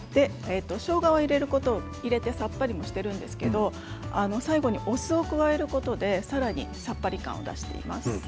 しょうがを入れてさっぱりとしているんですが最後に、お酢を加えることでさらにさっぱり感を出しています。